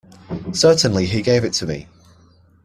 Certainly he gave it to me.